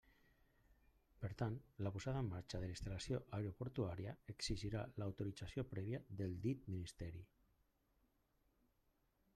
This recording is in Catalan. Per tant, la posada en marxa de la instal·lació aeroportuària exigirà l'autorització prèvia del dit ministeri.